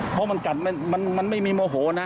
เพราะมันกัดมันไม่มีโมโหนะ